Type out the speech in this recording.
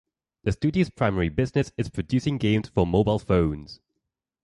The studio's primary business is producing games for mobile phones.